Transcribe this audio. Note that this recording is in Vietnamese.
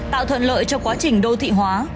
tạo thuận lợi cho quá trình đô thị hóa